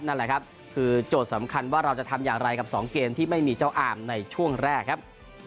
นั่นแหละครับคือโจทย์สำคัญว่าเราจะทำอย่างไรกับ๒เกมที่ไม่มีเจ้าอามในช่วงแรกครับ